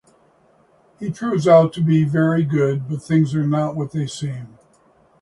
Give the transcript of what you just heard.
He proves out to be very good, but things are not what they seem.